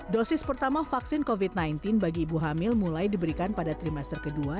dosis pertama vaksin covid sembilan belas bagi ibu hamil mulai diberikan pada trimester kedua